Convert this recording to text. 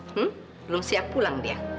hmm belum siap pulang dia